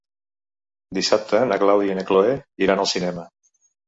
Dissabte na Clàudia i na Cloè iran al cinema.